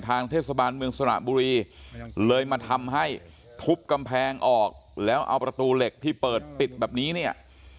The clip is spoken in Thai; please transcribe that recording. ทางเทศบาลเมืองสระบุรีเลยมาทำให้ทุบกำแพงออกแล้วเอาประตูเหล็กที่เปิดปิดแบบนี้เนี่ย